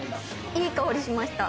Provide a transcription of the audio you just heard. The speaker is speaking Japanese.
いい香りしました。